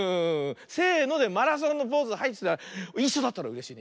せので「マラソンのポーズはい」っていっしょだったらうれしいね。